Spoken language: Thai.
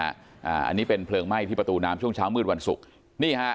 อันนี้เป็นเพลิงไหม้ที่ประตูน้ำช่วงเช้ามืดวันศุกร์นี่ฮะ